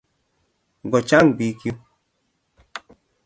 Ko chang' pik yu